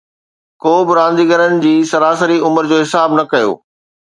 ڪو به رانديگرن جي سراسري عمر جو حساب نه ڪيو